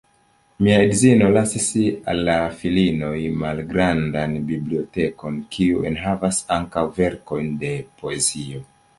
Mia edzino lasis al la filinoj malgrandan bibliotekon, kiu enhavas ankaŭ verkojn de poezio.